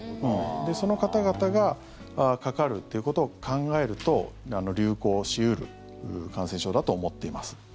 その方々がかかるということを考えると流行し得る感染症だと思っています。